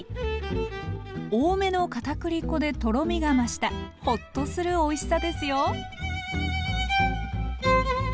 多めの片栗粉でとろみが増したホッとするおいしさですよ。